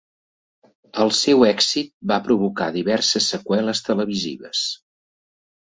El seu èxit va provocar diverses seqüeles televisives.